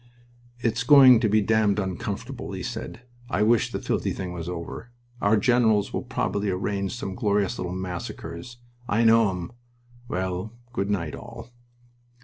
"It's going to be damned uncomfortable," he said. "I wish the filthy thing were over. Our generals will probably arrange some glorious little massacres. I know 'em!... Well, good night, all."